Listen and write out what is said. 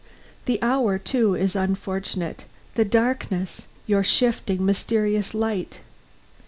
The hour, too, is unfortunate the darkness your shifting, mysterious light.